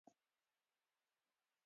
غول د بدن داخلي شخړې افشا کوي.